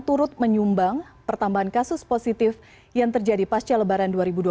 turut menyumbang pertambahan kasus positif yang terjadi pasca lebaran dua ribu dua puluh